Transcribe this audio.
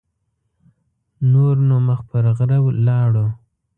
نور نو مخ پر غره لاړو.